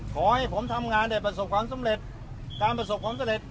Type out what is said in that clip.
ขอให้ผมทำงานได้ประสบความสำเร็จการประสบความสำเร็จ